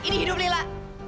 ini hidup lila